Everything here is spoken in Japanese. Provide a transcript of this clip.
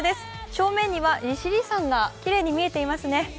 正面には利尻山がきれいに見えていますね。